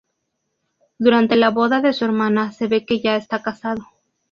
Durante la boda de su hermana se ve que ya está casado.